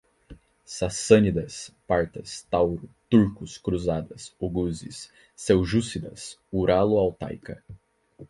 Sassânidas, Partas, Tauro, turcos, cruzada, oguzes, seljúcidas, uralo-altaica